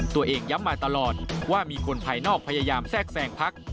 ย้ำมาตลอดว่ามีคนภายนอกพยายามแทรกแทรงพัก